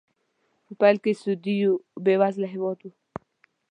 په پیل کې سعودي یو بې وزله هېواد و.